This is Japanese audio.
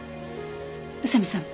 宇佐見さん